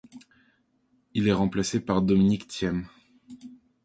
Il est remplacé par Dominic Thiem.